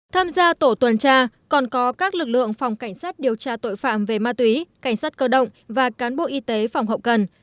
tham gia tổ tuần tra còn có các lực lượng phòng cảnh sát điều tra tội phạm về ma túy cảnh sát cơ động và cán bộ y tế phòng hậu cần